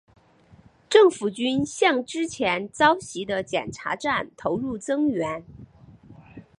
政府军向之前遭袭的检查站投入增援。